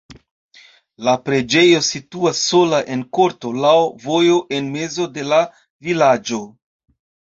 La preĝejo situas sola en korto laŭ vojo en mezo de la vilaĝo.